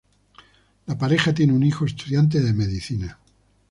La pareja tiene un hijo, estudiante de medicina.